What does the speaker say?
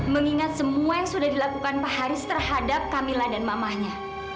mengingat semua yang sudah dilakukan pak haris terhadap camilla dan mamahnya